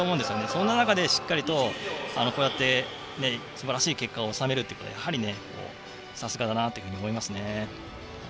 そんな中でしっかりとすばらしい結果を収めることはやはりさすがだなと思いますね。